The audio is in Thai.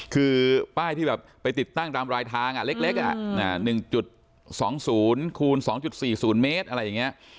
คือป้ายที่แบบไปติดตั้งตามรายทางเล็ก๑๒๐คูณ๒๔๐เมตรอะไรอย่างนี้